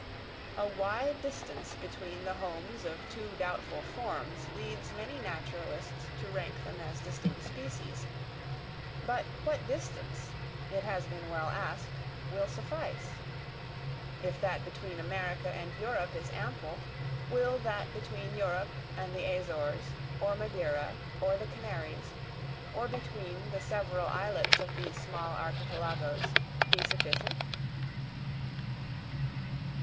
A wide distance between the homes of two doubtful forms leads many naturalists to rank them as distinct species; but what distance, it has been well asked, will suffice if that between America and Europe is ample, will that between Europe and the Azores, or Madeira, or the Canaries, or between the several islets of these small archipelagos, be sufficient?